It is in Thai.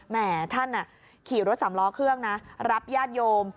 แม่ท่านขี่รถสำล้อเครื่องนะรับญาติโยม